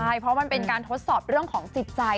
ใช่เพราะมันเป็นการทดสอบเรื่องของจิตใจ